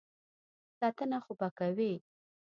ساتنه خو به کوي.